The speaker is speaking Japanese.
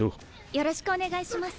よろしくお願いします。